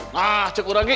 nah cukup lagi